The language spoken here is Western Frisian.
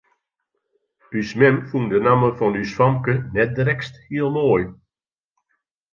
Us mem fûn de namme fan ús famke net drekst hiel moai.